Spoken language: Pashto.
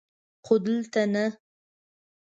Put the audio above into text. خو دلته نه!